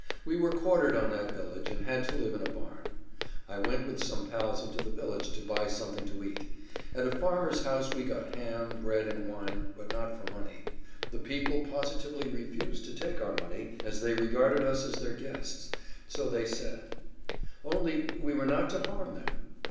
We were quartered on that village and had to live in a barn. I went with some pals into the village to buy something to eat. At a farmer's house we got ham, bread, and wine, but not for money. The people positively refused to take our money as they regarded us as their guests, so they said; only we were not to harm them.